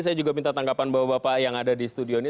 saya juga minta tanggapan bapak bapak yang ada di studio ini